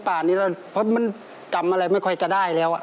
เพราะมันจำอะไรแบบไม่ค่อยจะได้แล้ว